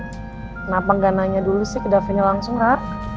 kenapa gak nanya dulu sih ke yatinnya langsung ra